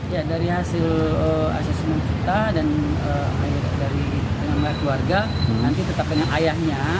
ya dari hasil asesmen kita dan keluarga nanti tetap dengan ayahnya